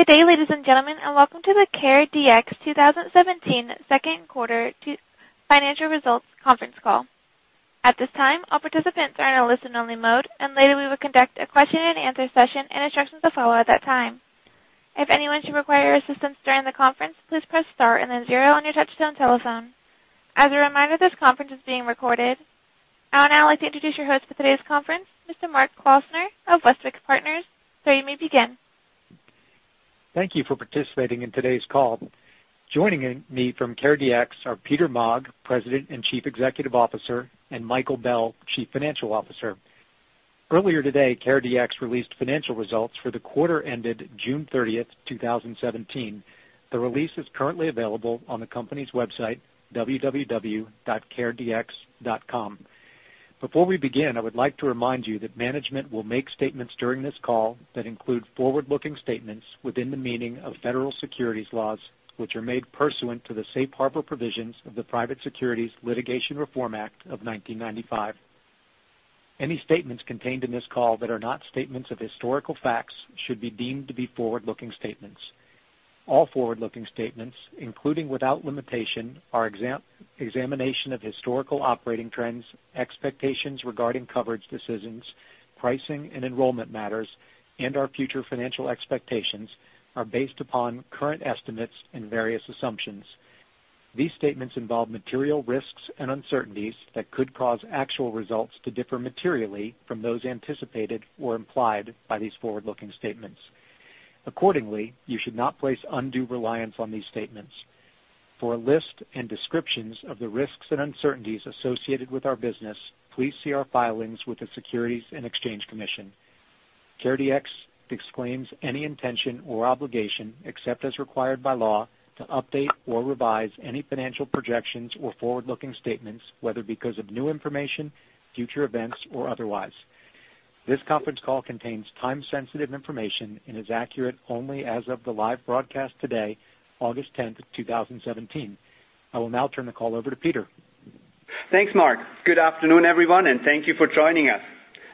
Good day, ladies and gentlemen, and welcome to the CareDx 2017 second quarter financial results conference call. At this time, all participants are in a listen-only mode. Later we will conduct a question and answer session, and instructions will follow at that time. If anyone should require assistance during the conference, please press star and then zero on your touch-tone telephone. As a reminder, this conference is being recorded. I would now like to introduce your host for today's conference, Mr. Mark Klausner of Westwicke Partners. Sir, you may begin. Thank you for participating in today's call. Joining me from CareDx are Peter Maag, President and Chief Executive Officer, and Michael Bell, Chief Financial Officer. Earlier today, CareDx released financial results for the quarter ended June 30th, 2017. The release is currently available on the company's website, www.caredx.com. Before we begin, I would like to remind you that management will make statements during this call that include forward-looking statements within the meaning of federal securities laws, which are made pursuant to the safe harbor provisions of the Private Securities Litigation Reform Act of 1995. Any statements contained in this call that are not statements of historical facts should be deemed to be forward-looking statements. All forward-looking statements, including, without limitation, our examination of historical operating trends, expectations regarding coverage decisions, pricing and enrollment matters, and our future financial expectations, are based upon current estimates and various assumptions. These statements involve material risks and uncertainties that could cause actual results to differ materially from those anticipated or implied by these forward-looking statements. Accordingly, you should not place undue reliance on these statements. For a list and descriptions of the risks and uncertainties associated with our business, please see our filings with the Securities and Exchange Commission. CareDx disclaims any intention or obligation, except as required by law, to update or revise any financial projections or forward-looking statements, whether because of new information, future events, or otherwise. This conference call contains time-sensitive information and is accurate only as of the live broadcast today, August 10th, 2017. I will now turn the call over to Peter. Thanks, Mark. Good afternoon, everyone, and thank you for joining us.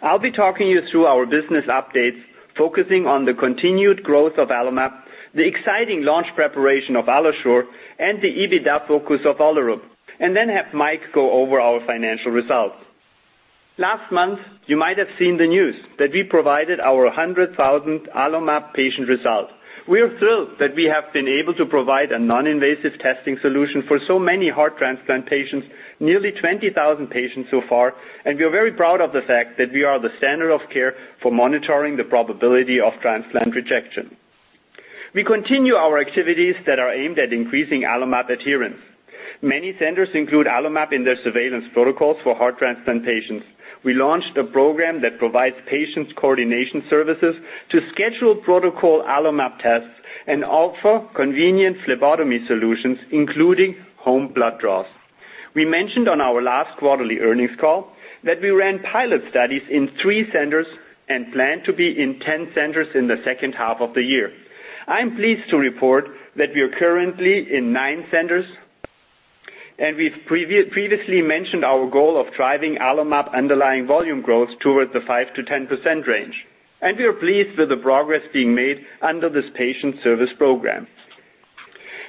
I'll be talking you through our business updates, focusing on the continued growth of AlloMap, the exciting launch preparation of AlloSure, and the EBITDA focus of Olerup, and then have Mike go over our financial results. Last month, you might have seen the news that we provided our 100,000th AlloMap patient result. We are thrilled that we have been able to provide a non-invasive testing solution for so many heart transplant patients, nearly 20,000 patients so far, and we are very proud of the fact that we are the standard of care for monitoring the probability of transplant rejection. We continue our activities that are aimed at increasing AlloMap adherence. Many centers include AlloMap in their surveillance protocols for heart transplant patients. We launched a program that provides patients coordination services to schedule protocol AlloMap tests and offer convenient phlebotomy solutions, including home blood draws. We mentioned on our last quarterly earnings call that we ran pilot studies in three centers and plan to be in 10 centers in the second half of the year. I'm pleased to report that we are currently in nine centers, and we've previously mentioned our goal of driving AlloMap underlying volume growth towards the 5%-10% range, and we are pleased with the progress being made under this patient service program.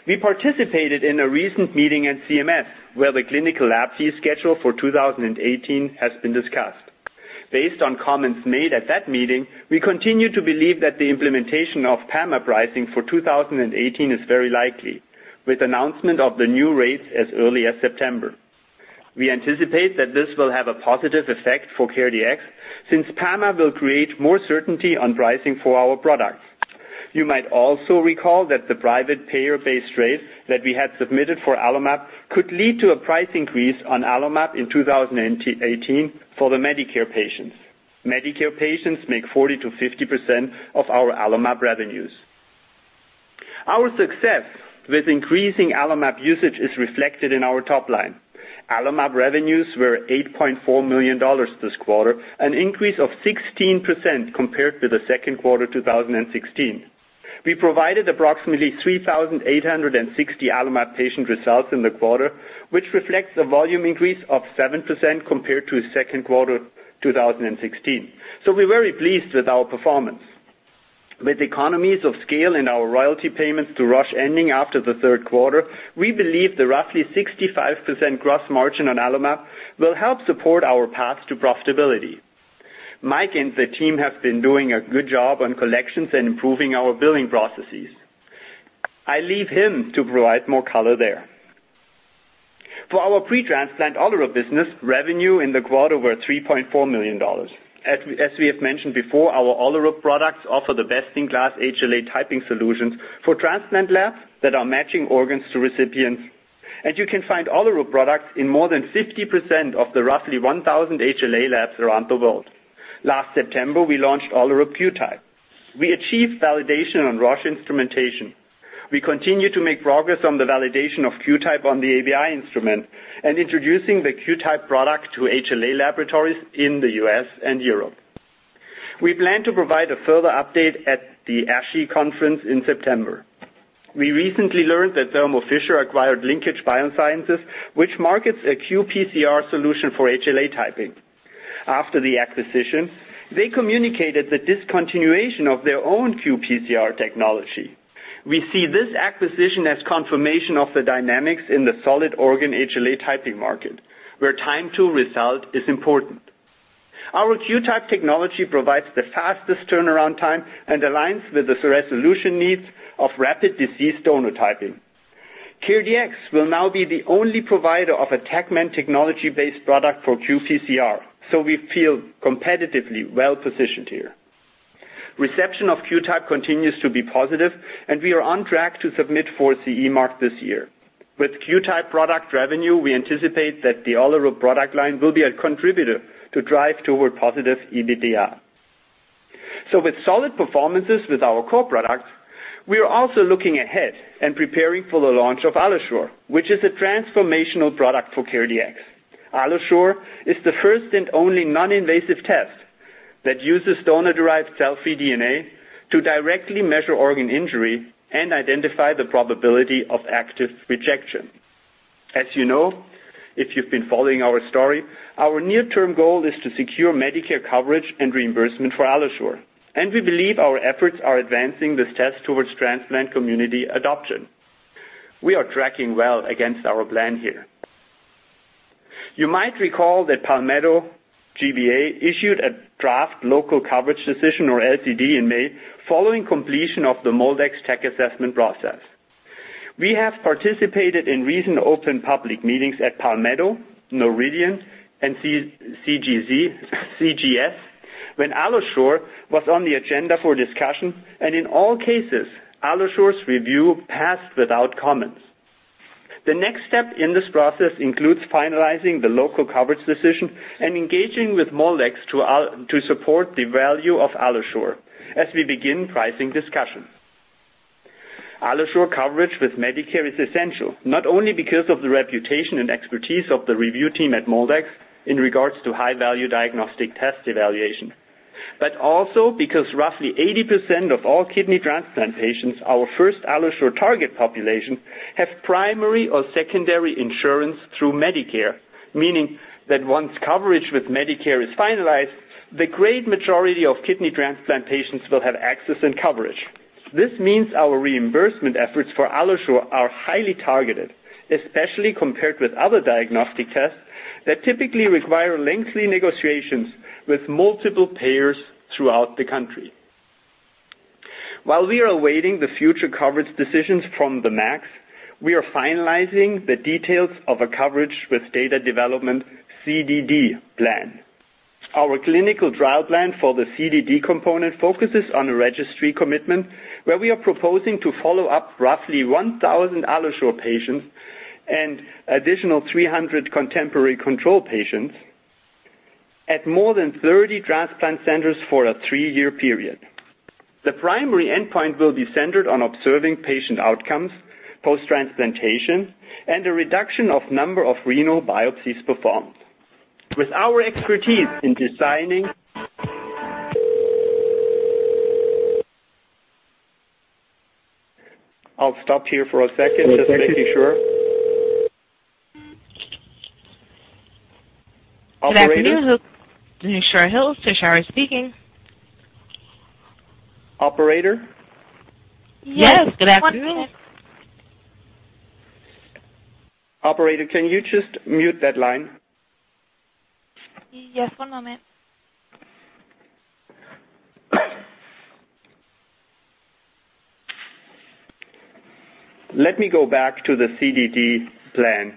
We participated in a recent meeting at CMS, where the Clinical Laboratory Fee Schedule for 2018 has been discussed. Based on comments made at that meeting, we continue to believe that the implementation of PAMA pricing for 2018 is very likely, with announcement of the new rates as early as September. We anticipate that this will have a positive effect for CareDx since PAMA will create more certainty on pricing for our products. You might also recall that the private payer-based rates that we had submitted for AlloMap could lead to a price increase on AlloMap in 2018 for the Medicare patients. Medicare patients make 40%-50% of our AlloMap revenues. Our success with increasing AlloMap usage is reflected in our top line. AlloMap revenues were $8.4 million this quarter, an increase of 16% compared to the second quarter 2016. We provided approximately 3,860 AlloMap patient results in the quarter, which reflects a volume increase of 7% compared to second quarter 2016. We're very pleased with our performance. With economies of scale and our royalty payments to Rush ending after the third quarter, we believe the roughly 65% gross margin on AlloMap will help support our path to profitability. Mike and the team have been doing a good job on collections and improving our billing processes. I leave him to provide more color there. For our pre-transplant Olerup business, revenue in the quarter were $3.4 million. As we have mentioned before, our Olerup products offer the best-in-class HLA typing solutions for transplant labs that are matching organs to recipients. You can find Olerup products in more than 50% of the roughly 1,000 HLA labs around the world. Last September, we launched Olerup QTYPE. We achieved validation on Roche instrumentation. We continue to make progress on the validation of QTYPE on the ABI instrument and introducing the QTYPE product to HLA laboratories in the U.S. and Europe. We plan to provide a further update at the ASHI conference in September. We recently learned that Thermo Fisher acquired Linkage Biosciences, which markets a qPCR solution for HLA typing. After the acquisition, they communicated the discontinuation of their own qPCR technology. We see this acquisition as confirmation of the dynamics in the solid organ HLA typing market, where time-to-result is important. Our QTYPE technology provides the fastest turnaround time and aligns with the solution needs of rapid deceased donor typing. CareDx will now be the only provider of a TaqMan technology-based product for qPCR, so we feel competitively well-positioned here. Reception of QTYPE continues to be positive, and we are on track to submit for CE mark this year. With QTYPE product revenue, we anticipate that the Olerup product line will be a contributor to drive toward positive EBITDA. With solid performances with our core products, we are also looking ahead and preparing for the launch of AlloSure, which is a transformational product for CareDx. AlloSure is the first and only non-invasive test that uses donor-derived cell-free DNA to directly measure organ injury and identify the probability of active rejection. As you know, if you've been following our story, our near-term goal is to secure Medicare coverage and reimbursement for AlloSure, and we believe our efforts are advancing this test towards transplant community adoption. We are tracking well against our plan here. You might recall that Palmetto GBA issued a draft Local Coverage Decision, or LCD, in May, following completion of the MolDX tech assessment process. We have participated in recent open public meetings at Palmetto, Noridian, and CGS, when AlloSure was on the agenda for discussion, and in all cases, AlloSure's review passed without comments. The next step in this process includes finalizing the Local Coverage Decision and engaging with MolDX to support the value of AlloSure as we begin pricing discussion. AlloSure coverage with Medicare is essential, not only because of the reputation and expertise of the review team at MolDX in regards to high-value diagnostic test evaluation, but also because roughly 80% of all kidney transplant patients, our first AlloSure target population, have primary or secondary insurance through Medicare, meaning that once coverage with Medicare is finalized, the great majority of kidney transplant patients will have access and coverage. This means our reimbursement efforts for AlloSure are highly targeted, especially compared with other diagnostic tests that typically require lengthy negotiations with multiple payers throughout the country. While we are awaiting the future coverage decisions from the MAC, we are finalizing the details of a coverage with data development CDD plan. Our clinical trial plan for the CDD component focuses on a registry commitment, where we are proposing to follow up roughly 1,000 AlloSure patients and additional 300 contemporary control patients at more than 30 transplant centers for a three-year period. The primary endpoint will be centered on observing patient outcomes, post-transplantation, and a reduction of number of renal biopsies performed. With our expertise in designing I'll stop here for a second, just making sure. Operator? Good afternoon. Denisha Hills. Denisha Hills speaking. Operator? Yes. Good afternoon. Operator, can you just mute that line? Yes, one moment. Let me go back to the CDD plan,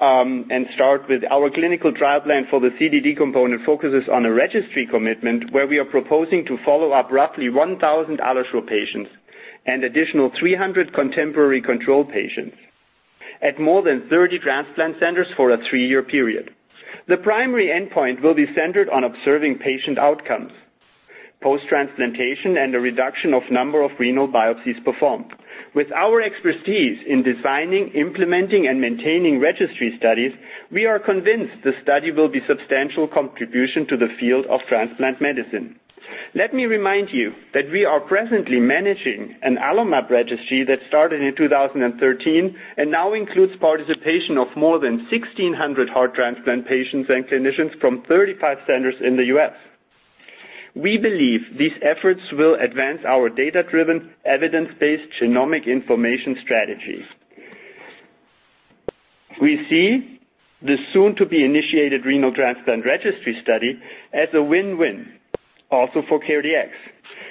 and start with our clinical trial plan for the CDD component focuses on a registry commitment where we are proposing to follow up roughly 1,000 AlloSure patients and additional 300 contemporary control patients at more than 30 transplant centers for a three-year period. The primary endpoint will be centered on observing patient outcomes, post-transplantation, and a reduction of number of renal biopsies performed. With our expertise in designing, implementing, and maintaining registry studies, we are convinced the study will be substantial contribution to the field of transplant medicine. Let me remind you that we are presently managing an AlloMap registry that started in 2013 and now includes participation of more than 1,600 heart transplant patients and clinicians from 35 centers in the U.S. We believe these efforts will advance our data-driven, evidence-based genomic information strategies. We see the soon-to-be-initiated renal transplant registry study as a win-win also for CareDx.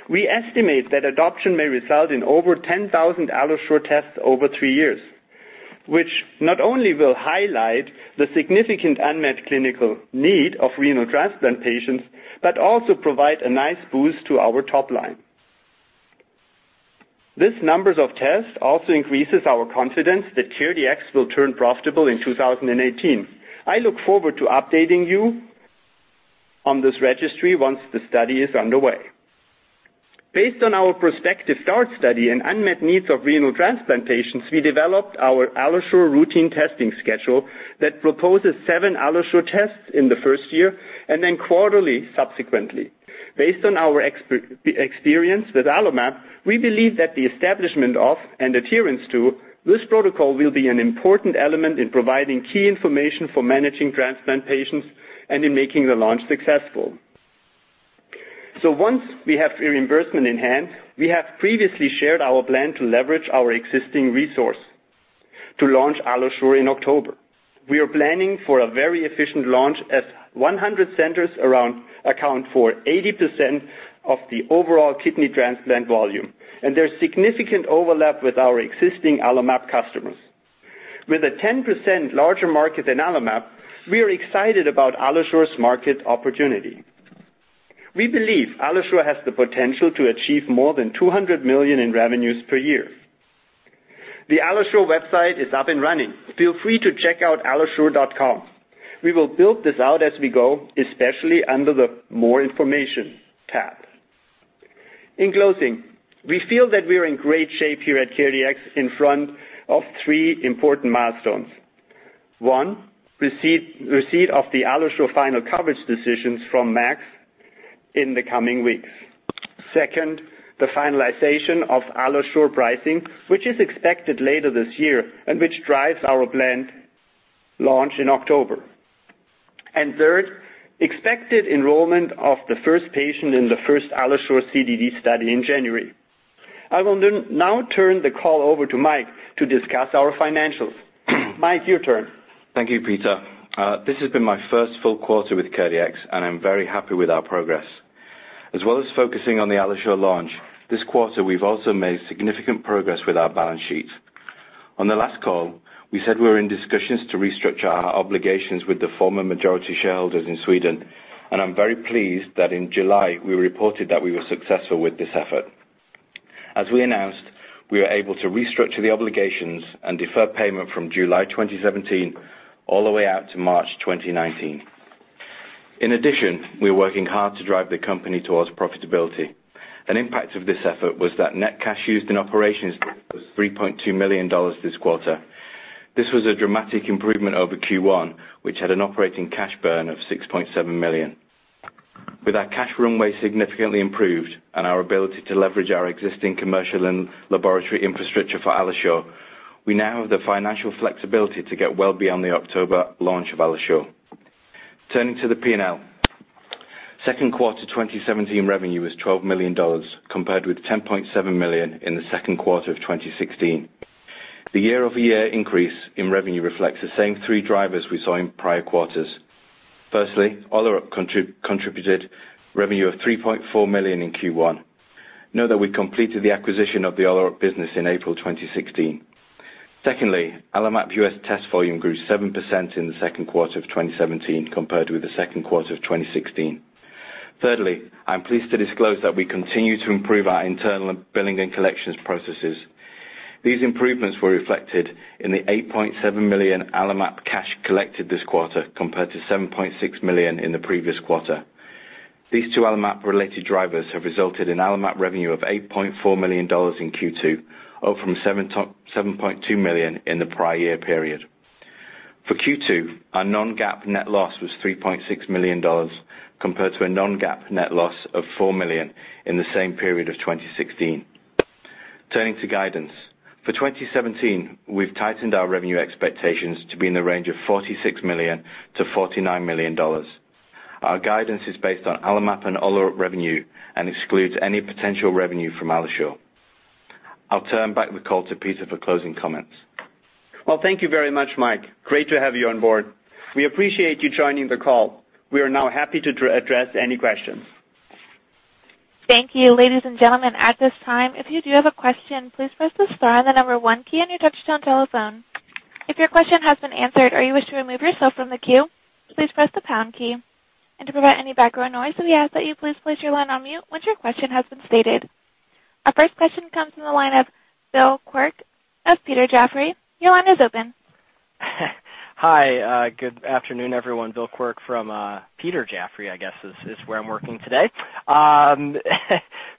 We estimate that adoption may result in over 10,000 AlloSure tests over three years, which not only will highlight the significant unmet clinical need of renal transplant patients, but also provide a nice boost to our top line. These numbers of tests also increases our confidence that CareDx will turn profitable in 2018. I look forward to updating you on this registry once the study is underway. Based on our prospective DART study and unmet needs of renal transplant patients, we developed our AlloSure routine testing schedule that proposes seven AlloSure tests in the first year, and then quarterly subsequently. Based on our experience with AlloMap, we believe that the establishment of and adherence to this protocol will be an important element in providing key information for managing transplant patients and in making the launch successful. Once we have reimbursement in hand, we have previously shared our plan to leverage our existing resource to launch AlloSure in October. We are planning for a very efficient launch as 100 centers account for 80% of the overall kidney transplant volume, and there's significant overlap with our existing AlloMap customers. With a 10% larger market than AlloMap, we are excited about AlloSure's market opportunity. We believe AlloSure has the potential to achieve more than $200 million in revenues per year. The AlloSure website is up and running. Feel free to check out AlloSure. We will build this out as we go, especially under the More Information tab. In closing, we feel that we are in great shape here at CareDx in front of three important milestones. One, receipt of the AlloSure final coverage decisions from MAC in the coming weeks. Second, the finalization of AlloSure pricing, which is expected later this year, and which drives our planned launch in October. Third, expected enrollment of the first patient in the first AlloSure CDD study in January. I will now turn the call over to Mike to discuss our financials. Mike, your turn. Thank you, Peter. This has been my first full quarter with CareDx, and I'm very happy with our progress. As well as focusing on the AlloSure launch, this quarter, we've also made significant progress with our balance sheet. On the last call, we said we were in discussions to restructure our obligations with the former majority shareholders in Sweden, and I'm very pleased that in July, we reported that we were successful with this effort. As we announced, we were able to restructure the obligations and defer payment from July 2017 all the way out to March 2019. In addition, we're working hard to drive the company towards profitability. An impact of this effort was that net cash used in operations was $3.2 million this quarter. This was a dramatic improvement over Q1, which had an operating cash burn of $6.7 million. With our cash runway significantly improved and our ability to leverage our existing commercial and laboratory infrastructure for AlloSure, we now have the financial flexibility to get well beyond the October launch of AlloSure. Turning to the P&L. Second quarter 2017 revenue was $12 million, compared with $10.7 million in the second quarter of 2016. The year-over-year increase in revenue reflects the same three drivers we saw in prior quarters. Firstly, Olerup contributed revenue of $3.4 million in Q2. Note that we completed the acquisition of the Olerup business in April 2016. Secondly, AlloMap U.S. test volume grew 7% in the second quarter of 2017 compared with the second quarter of 2016. Thirdly, I'm pleased to disclose that we continue to improve our internal billing and collections processes. These improvements were reflected in the $8.7 million AlloMap cash collected this quarter compared to $7.6 million in the previous quarter. These two AlloMap-related drivers have resulted in AlloMap revenue of $8.4 million in Q2, up from $7.2 million in the prior year period. For Q2, our non-GAAP net loss was $3.6 million, compared to a non-GAAP net loss of $4 million in the same period of 2016. Turning to guidance. For 2017, we've tightened our revenue expectations to be in the range of $46 million to $49 million. Our guidance is based on AlloMap and Olerup revenue and excludes any potential revenue from AlloSure. I'll turn back the call to Peter for closing comments. Well, thank you very much, Mike. Great to have you on board. We appreciate you joining the call. We are now happy to address any questions. Thank you. Ladies and gentlemen, at this time, if you do have a question, please press the star and the number one key on your touchtone telephone. If your question has been answered or you wish to remove yourself from the queue, please press the pound key. To prevent any background noise, we ask that you please place your line on mute once your question has been stated. Our first question comes from the line of Bill Quirk of Piper Jaffray. Your line is open. Hi. Good afternoon, everyone. Bill Quirk from Piper Jaffray, I guess is where I'm working today.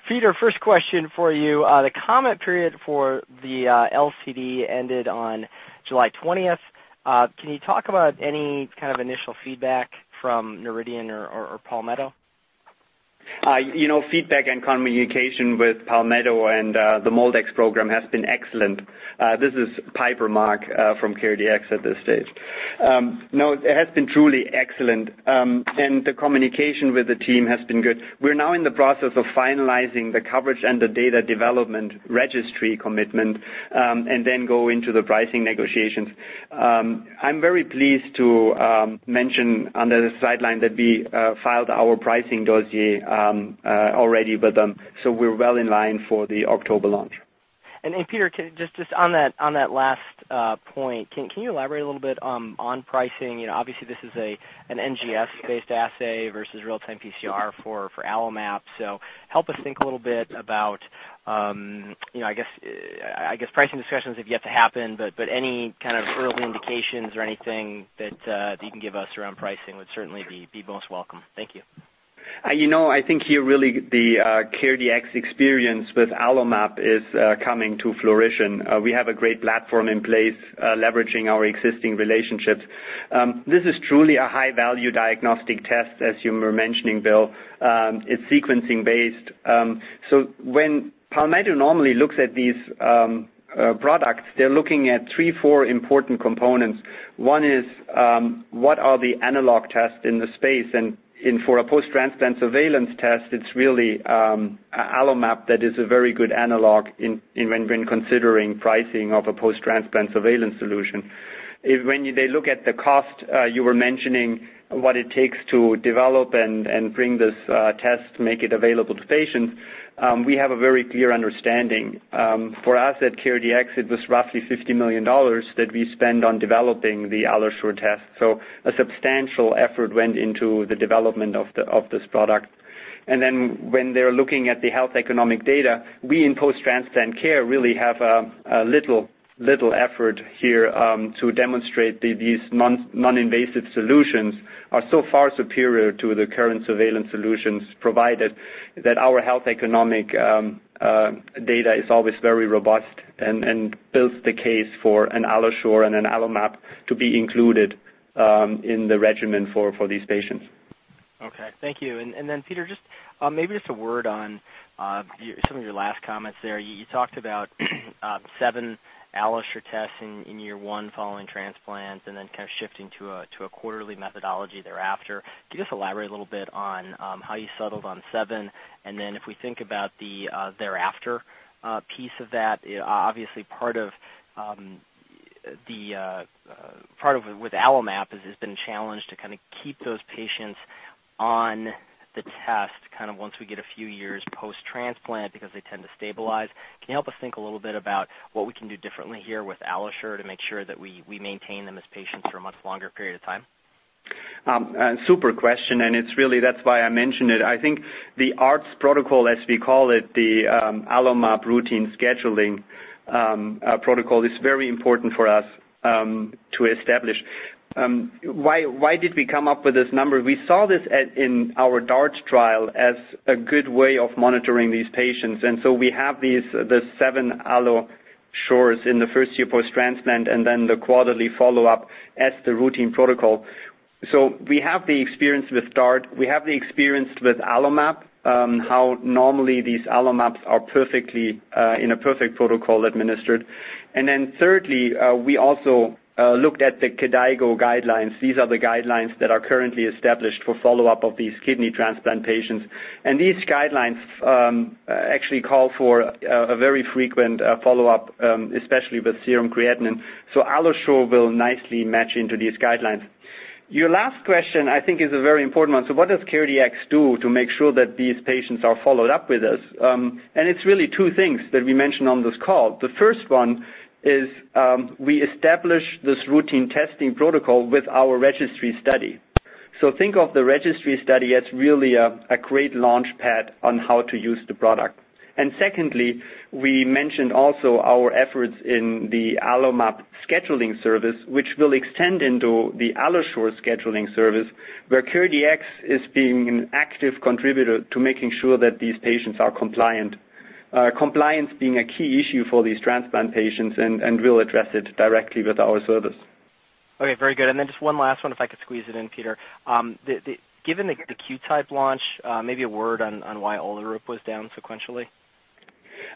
Peter Maag, first question for you. The comment period for the LCD ended on July 20th. Can you talk about any kind of initial feedback from Noridian or Palmetto? Feedback and communication with Palmetto and the MolDX program has been excellent. This is Peter Maag from CareDx at this stage. No, it has been truly excellent, the communication with the team has been good. We're now in the process of finalizing the coverage and the data development registry commitment, go into the pricing negotiations. I'm very pleased to mention, under the sideline, that we filed our pricing dossier already with them, so we're well in line for the October launch. Peter Maag, just on that last point, can you elaborate a little bit on pricing? Obviously, this is an NGS-based assay versus real-time PCR for AlloMap. Help us think a little bit about I guess pricing discussions have yet to happen, but any kind of early indications or anything that you can give us around pricing would certainly be most welcome. Thank you. I think here, really, the CareDx experience with AlloMap is coming to fruition. We have a great platform in place leveraging our existing relationships. This is truly a high-value diagnostic test, as you were mentioning, Bill. It's sequencing based. When Palmetto normally looks at these products, they're looking at three, four important components. One is: What are the analog tests in the space? For a post-transplant surveillance test, it's really AlloMap that is a very good analog when considering pricing of a post-transplant surveillance solution. When they look at the cost, you were mentioning what it takes to develop and bring this test to make it available to patients, we have a very clear understanding. For us at CareDx, it was roughly $50 million that we spend on developing the AlloSure test, a substantial effort went into the development of this product. When they're looking at the health economic data, we in post-transplant care really have little effort here to demonstrate these non-invasive solutions are so far superior to the current surveillance solutions, provided that our health economic data is always very robust and builds the case for an AlloSure and an AlloMap to be included in the regimen for these patients. Okay. Thank you. Peter, maybe just a word on some of your last comments there. You talked about seven AlloSure tests in year one following transplant, kind of shifting to a quarterly methodology thereafter. Could you just elaborate a little bit on how you settled on seven? If we think about the thereafter piece of that, obviously part of with AlloMap has been challenged to kind of keep those patients on the test once we get a few years post-transplant, because they tend to stabilize. Can you help us think a little bit about what we can do differently here with AlloSure to make sure that we maintain them as patients for a much longer period of time? Super question, really, that's why I mentioned it. I think the ARTS protocol, as we call it, the AlloMap routine scheduling protocol, is very important for us to establish. Why did we come up with this number? We saw this in our DART trial as a good way of monitoring these patients. We have the seven AlloSures in the first year post-transplant, the quarterly follow-up as the routine protocol. We have the experience with DART. We have the experience with AlloMap, how normally these AlloMaps are in a perfect protocol administered. Thirdly, we also looked at the KDIGO guidelines. These are the guidelines that are currently established for follow-up of these kidney transplant patients. These guidelines actually call for a very frequent follow-up, especially with serum creatinine. AlloSure will nicely match into these guidelines. Your last question, I think, is a very important one. What does CareDx do to make sure that these patients are followed up with us? It's really two things that we mentioned on this call. The first one is we establish this routine testing protocol with our registry study. Think of the registry study as really a great launchpad on how to use the product. Secondly, we mentioned also our efforts in the AlloMap scheduling service, which will extend into the AlloSure scheduling service, where CareDx is being an active contributor to making sure that these patients are compliant. Compliance being a key issue for these transplant patients, we'll address it directly with our service. Okay. Very good. Just one last one if I could squeeze it in, Peter. Given the QTYPE launch, maybe a word on why Olerup was down sequentially.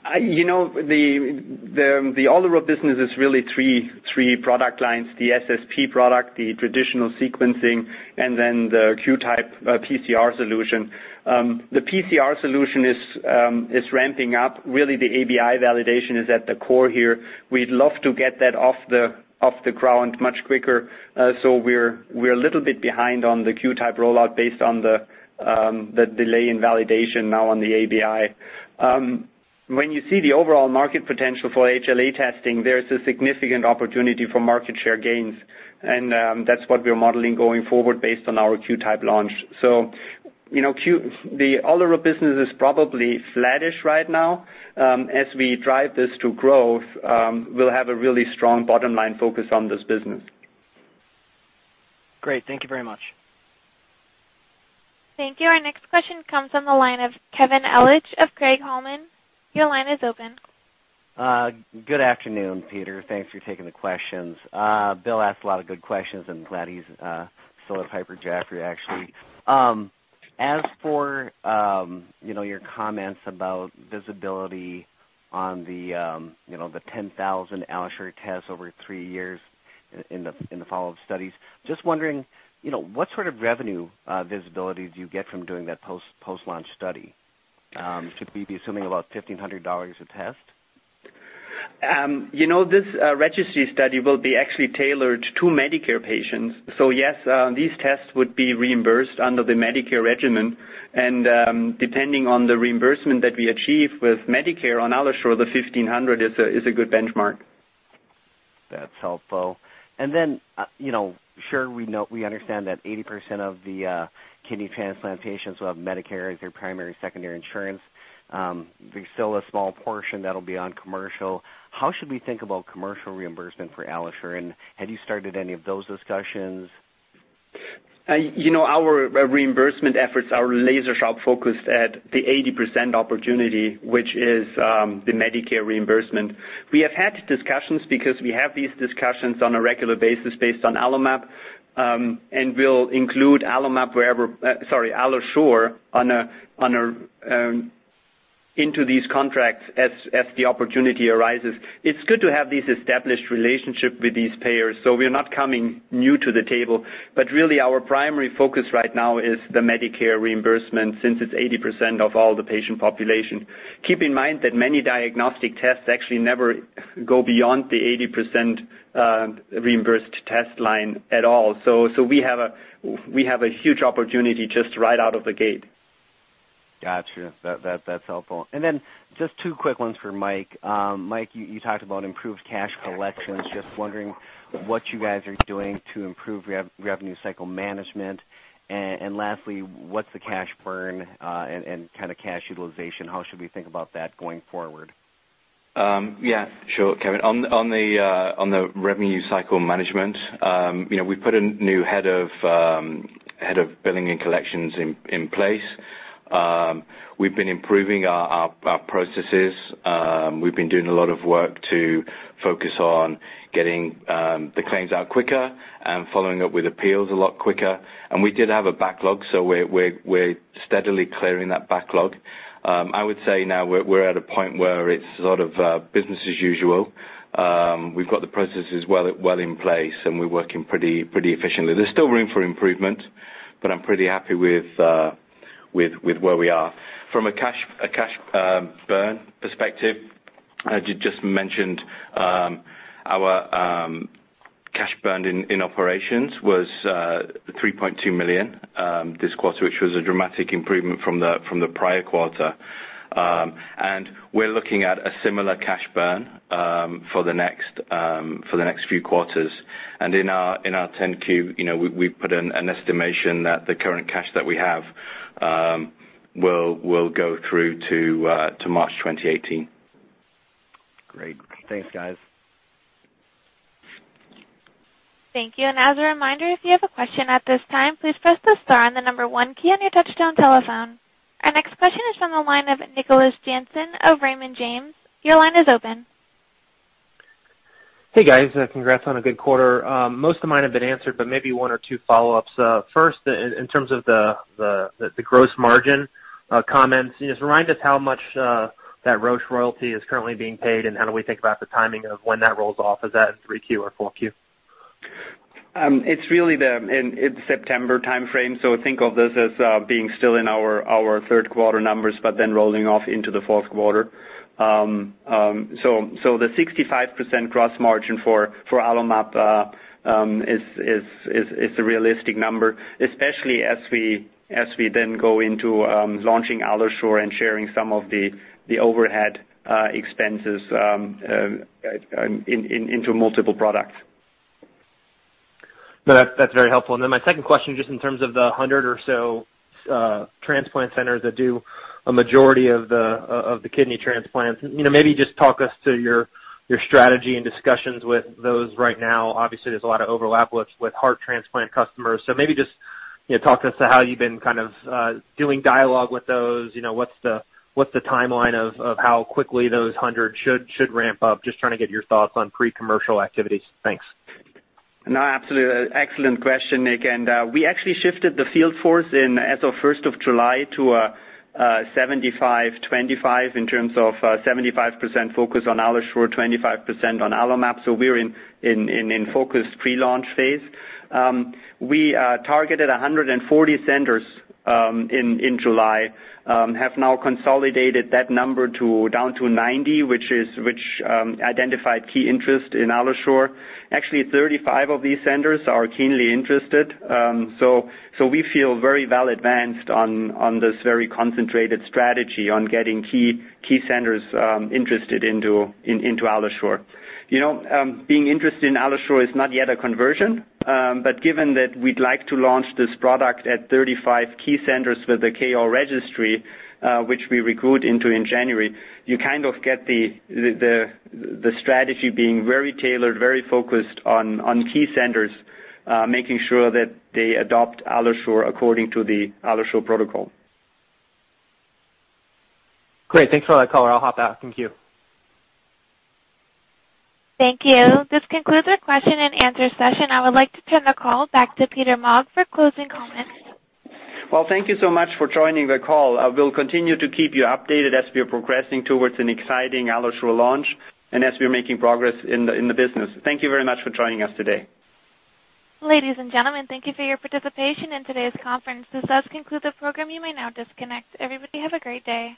The Olerup business is really three product lines, the SSP product, the traditional sequencing, and then the QTYPE PCR solution. The PCR solution is ramping up. Really, the ABI validation is at the core here. We'd love to get that off the ground much quicker. We're a little bit behind on the QTYPE rollout based on the delay in validation now on the ABI. When you see the overall market potential for HLA testing, there's a significant opportunity for market share gains, and that's what we're modeling going forward based on our QTYPE launch. The Olerup business is probably flattish right now. As we drive this to growth, we'll have a really strong bottom-line focus on this business. Great. Thank you very much. Thank you. Our next question comes from the line of Kevin DeGeeter of Craig-Hallum. Your line is open. Good afternoon, Peter. Thanks for taking the questions. Bill asked a lot of good questions. I'm glad he's still at Piper Jaffray, actually. As for your comments about visibility on the 10,000 AlloSure tests over three years in the follow-up studies, just wondering what sort of revenue visibility do you get from doing that post-launch study? Should we be assuming about $1,500 a test? This registry study will be actually tailored to Medicare patients. Yes, these tests would be reimbursed under the Medicare regimen, and depending on the reimbursement that we achieve with Medicare on AlloSure, the $1,500 is a good benchmark. That's helpful. Then, sure, we understand that 80% of the kidney transplant patients will have Medicare as their primary, secondary insurance. There's still a small portion that'll be on commercial. How should we think about commercial reimbursement for AlloSure? Have you started any of those discussions? Our reimbursement efforts are laser-sharp focused at the 80% opportunity, which is the Medicare reimbursement. We have had discussions because we have these discussions on a regular basis based on AlloMap, and we'll include AlloSure into these contracts as the opportunity arises. It's good to have these established relationship with these payers, so we're not coming new to the table. Really our primary focus right now is the Medicare reimbursement, since it's 80% of all the patient population. Keep in mind that many diagnostic tests actually never go beyond the 80% reimbursed test line at all. We have a huge opportunity just right out of the gate. Got you. That's helpful. Then just two quick ones for Mike. Mike, you talked about improved cash collections, just wondering what you guys are doing to improve revenue cycle management. Lastly, what's the cash burn and kind of cash utilization, how should we think about that going forward? Yeah, sure, Kevin. On the revenue cycle management, we put a new head of billing and collections in place. We've been improving our processes. We've been doing a lot of work to focus on getting the claims out quicker and following up with appeals a lot quicker. We did have a backlog, so we're steadily clearing that backlog. I would say now we're at a point where it's sort of business as usual. We've got the processes well in place, and we're working pretty efficiently. There's still room for improvement, but I'm pretty happy with where we are. From a cash burn perspective, as you just mentioned, our cash burn in operations was $3.2 million this quarter, which was a dramatic improvement from the prior quarter. We're looking at a similar cash burn for the next few quarters. In our 10-Q, we put an estimation that the current cash that we have will go through to March 2018. Great. Thanks, guys. Thank you. As a reminder, if you have a question at this time, please press the star and the number 1 key on your touchtone telephone. Our next question is from the line of Nicholas Jansen of Raymond James. Your line is open. Hey, guys, congrats on a good quarter. Most of mine have been answered, maybe one or two follow-ups. First, in terms of the gross margin comments, just remind us how much that Rush royalty is currently being paid, and how do we think about the timing of when that rolls off? Is that in 3Q or 4Q? It's really the September timeframe, think of this as being still in our third quarter numbers, then rolling off into the fourth quarter. The 65% gross margin for AlloMap is a realistic number, especially as we then go into launching AlloSure and sharing some of the overhead expenses into multiple products. No, that's very helpful. Then my second question, just in terms of the 100 or so transplant centers that do a majority of the kidney transplants. Maybe just talk us through your strategy and discussions with those right now. Obviously, there's a lot of overlap with heart transplant customers. Maybe just talk to us to how you've been kind of doing dialogue with those. What's the timeline of how quickly those 100 should ramp up? Just trying to get your thoughts on pre-commercial activities. Thanks. No, absolutely. Excellent question, Nick. We actually shifted the field force in as of 1st of July to a 75-25 in terms of 75% focus on AlloSure, 25% on AlloMap. We're in focus pre-launch phase. We targeted 140 centers in July. Have now consolidated that number down to 90, which identified key interest in AlloSure. Actually, 35 of these centers are keenly interested. We feel very well advanced on this very concentrated strategy on getting key centers interested into AlloSure. Being interested in AlloSure is not yet a conversion. Given that we'd like to launch this product at 35 key centers with the K-OAR registry, which we recruit into in January, you kind of get the strategy being very tailored, very focused on key centers, making sure that they adopt AlloSure according to the AlloSure protocol. Great. Thanks for that color. I'll hop out. Thank you. Thank you. This concludes our question and answer session. I would like to turn the call back to Peter Maag for closing comments. Well, thank you so much for joining the call. I will continue to keep you updated as we are progressing towards an exciting AlloSure launch and as we're making progress in the business. Thank you very much for joining us today. Ladies and gentlemen, thank you for your participation in today's conference. This does conclude the program. You may now disconnect. Everybody, have a great day.